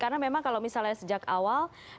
karena memang kalau misalnya sejak awal